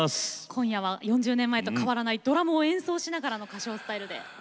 今夜は４０年前と変わらないドラムを演奏しながらの歌唱スタイルでお届け下さいます。